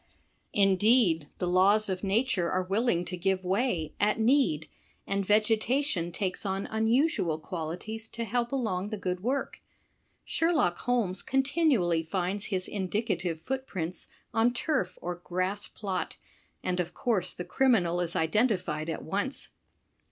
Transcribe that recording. Indeed the laws of nature are willing to give way, at need, and vegeta tion takes on unusual qualities to help along the good work. Sherlock Holmes continually finds his indicative footprints on turf or grass plot, and of course the criminal is identified at once.